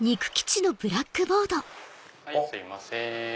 はいすいません。